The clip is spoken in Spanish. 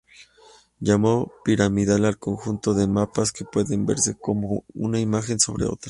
Llamó piramidal al conjunto de mapas, que puede verse como una imagen sobre otra.